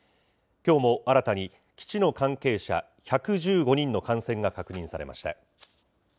きょうも新たに基地の関係者１１５人の感染が確認されました。